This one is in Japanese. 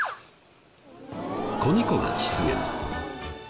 子猫が出現！